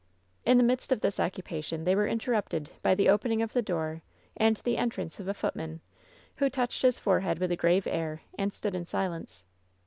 In the midst of this occupation they were interrupted by the opening of the door, and the entrance of a foot man, who touched his forehead with a grave air and stood in silence.